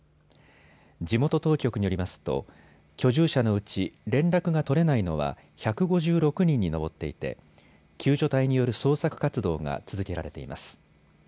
地元当局によりますと居住者のうち連絡が取れないのは１５６人に上っていて救助隊による捜索活動が続けられています。